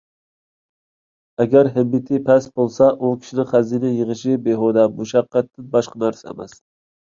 ئەگەر ھىممىتى پەس بولسا، ئۇ كىشىنىڭ خەزىنە يىغىشى بىھۇدە مۇشەققەتتىن باشقا نەرسە ئەمەس.